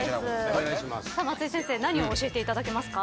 松井先生何を教えていただけますか？